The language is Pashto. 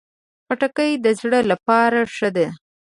خټکی د زړه لپاره ښه ده.